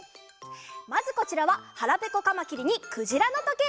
まずこちらは「はらぺこカマキリ」に「くじらのとけい」のえ！